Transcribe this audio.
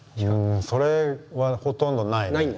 それはほとんどないね。